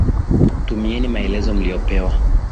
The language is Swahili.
Tumieni maelezo mliyopewa.